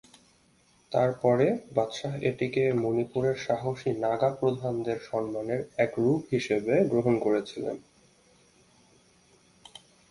তারপরে বাদশাহ এটিকে মণিপুরের সাহসী নাগা প্রধানদের সম্মানের এক রূপ হিসাবে গ্রহণ করেছিলেন।